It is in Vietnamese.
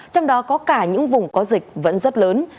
trong đó có cả những vùng có dịch vẫn rất lớn